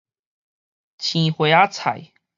青花仔菜